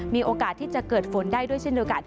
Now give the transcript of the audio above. มีโอกาสที่จะเกิดฝนได้ด้วยเช่นโอกาส